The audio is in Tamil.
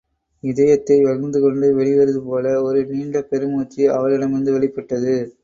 இதயத்தை வகிர்ந்துகொண்டு வெளிவருவதுபோல ஒரு நீண்ட பெருமூச்சு அவளிடமிருந்து வெளிப்பட்டது.